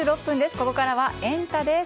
ここからはエンタ！です。